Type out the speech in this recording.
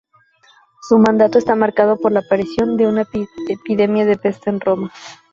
Su mandato está marcado por la aparición de una epidemia de peste en Roma.